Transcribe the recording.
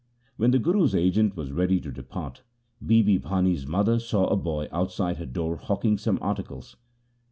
When the Guru's agent was ready to depart, Bibi Bhani' s mother saw a boy outside her door hawking some articles.